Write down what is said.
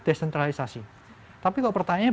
desentralisasi tapi kalau pertanyaannya